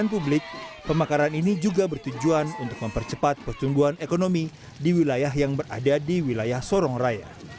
pemakaran ini juga bertujuan untuk mempercepat pertumbuhan ekonomi di wilayah yang berada di wilayah sorong raya